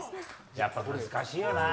やっぱ難しいよな。